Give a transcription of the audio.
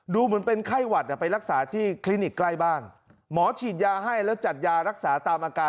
ดูเหมือนเป็นไข้หวัดไปรักษาที่คลินิกใกล้บ้านหมอฉีดยาให้แล้วจัดยารักษาตามอาการ